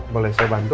boleh saya bantu